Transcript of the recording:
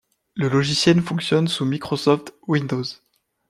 Ce logiciel fonctionne sous Microsoft Windows.